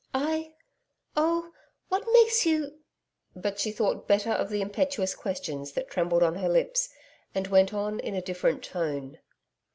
'I! Oh what makes you ' But she thought better of the impetuous questions that trembled on her lips, and went on in a different tone.